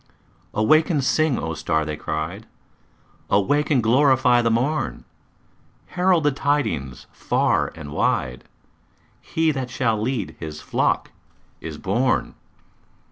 "Awake and sing, O star!" they cried. "Awake and glorify the morn! Herald the tidings far and wide He that shall lead His flock is born!"